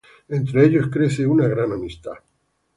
Entre ellos crece una gran amistad.